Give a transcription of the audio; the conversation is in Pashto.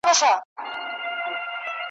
کډي باریږي مېني سوې توري .